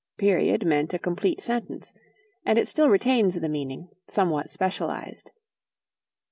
"Period" meant a complete sentence; and it still retains the meaning, somewhat specialized.